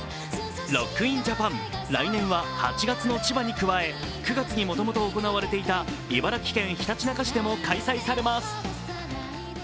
ＲＯＣＫＩＮＪＡＰＡＮ、来年は８月の千葉に加え、９月にもともと行われていた茨城県ひたちなか市でも開催されます。